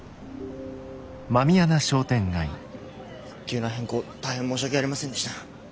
急な変更大変申し訳ありませんでした。